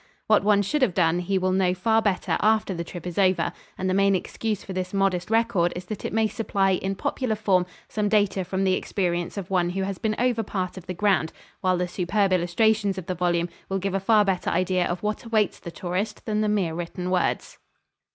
What one should have done he will know far better after the trip is over, and the main excuse for this modest record is that it may supply in popular form some data from the experience of one who has been over part of the ground, while the superb illustrations of the volume will give a far better idea of what awaits the tourist than the mere written words.